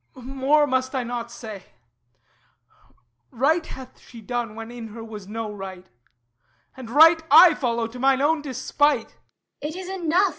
More I must not say. Right hath she done when in her was no right; And Right I follow to mine own despite! LEADER It is enough!